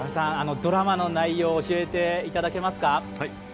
ドラマの内容、教えていただけますか。